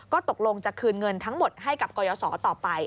ก็ตกลงจะคืนเงินทั้งหมดให้กับกรยศต่อไป